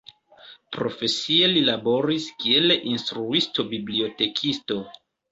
Profesie li laboris kiel instruisto-bibliotekisto.